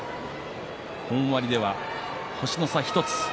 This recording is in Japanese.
本割では星の差１つ。